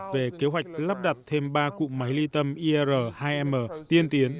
về kế hoạch lắp đặt thêm ba cụ máy ly tâm ir hai m tiên tiến